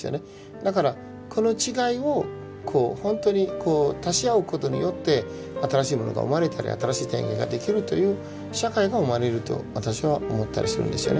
だからこの違いをこう本当にこう足し合うことによって新しいものが生まれたり新しい体験ができるという社会が生まれると私は思ったりするんですよね。